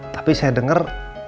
tapi saya denger